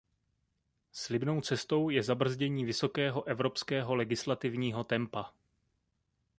Slibnou cestou je zabrzdění vysokého evropského legislativního tempa.